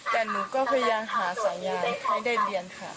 แต่หนูก็พยายามหาสายยานให้ได้เรียนค่ะ